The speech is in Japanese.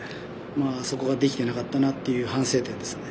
そこができてなかったなという反省点ですね。